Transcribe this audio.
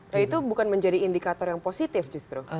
nah itu bukan menjadi indikator yang positif justru